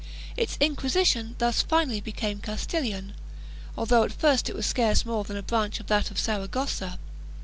2 Its Inquisition thus finally became Castilian, although at first it was scarce more than a branch of that of Saragossa.